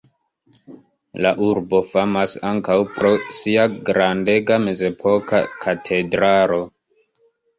La urbo famas ankaŭ pro sia grandega mezepoka katedralo.